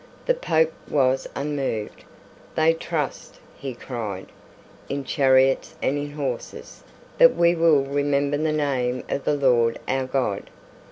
The Pope was unmoved. "They trust," he cried, "in chariots and in horses; but we will remember the name of the Lord our God."